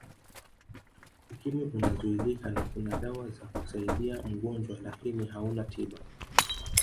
Ukimwi unazuilika na kuna dawa za kusaidia mgojwa lakini hauna tiba